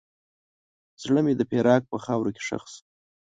زړه مې د فراق په خاوره کې ښخ شو.